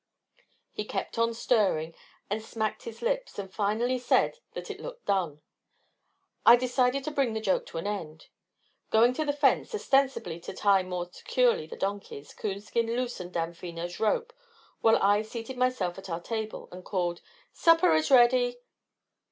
He kept on stirring, and smacked his lips, and finally said that it looked done. I decided to bring the joke to an end. Going to the fence ostensibly to tie more securely the donkeys, Coonskin loosened Damfino's rope while I seated myself at our table, and called, "Supper is ready."